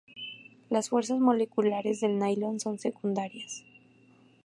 Las fuerzas moleculares del nailon son secundarias.